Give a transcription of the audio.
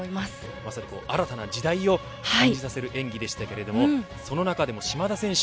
まさに新たな時代を感じさせる演技でしたけれどその中でも、島田選手